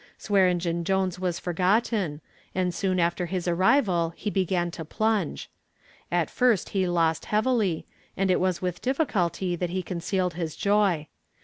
Swearengen Jones was forgotten, and soon after his arrival he began to plunge. At first he lost heavily, and it was with difficulty that he concealed his joy.